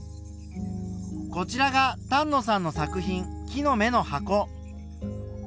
こちらが丹野さんの作品「木の芽の箱」。